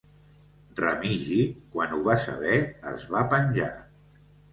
Remigi, quan ho va saber, es va penjar.